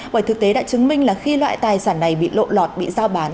bởi thực tế đã chứng minh là khi loại tài sản này bị lộ lọt bị giao bán